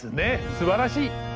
すばらしい！